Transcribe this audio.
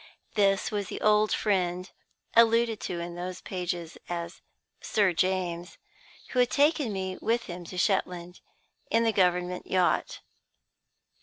This was the old friend (alluded to in these pages as "Sir James") who had taken me with him to Shetland in the Government yacht.